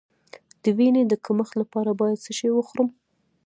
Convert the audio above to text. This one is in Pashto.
د وینې د کمښت لپاره باید څه شی وخورم؟